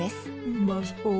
うまそう。